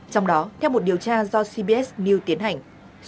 trong đó theo một điều tra do cbs news tiến hành